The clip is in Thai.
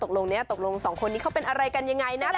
ตกลงสองคนนี้เขาเป็นอะไรกันยังไงนะ